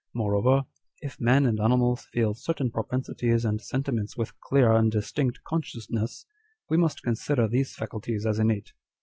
Moreover, if man and animals feel certain propensities and sentiments with clear and distinct consciousness, we must consider these faculties as innate."